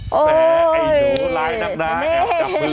แวะไอ้ดูไหลนับน้ำจับหึ้นครูหรอ